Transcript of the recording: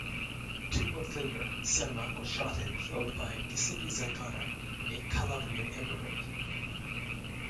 Two months later, Cermak was shot and killed by Giuseppe Zangara, a Calabrian immigrant.